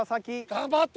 頑張って！